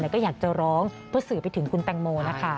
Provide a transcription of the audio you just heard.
ก็อยากจะร้องเพื่อสื่อไปถึงคุณแตงโมนะคะ